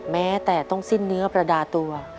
แม้แต่ต้องสิ้นเนื้อประดาตัว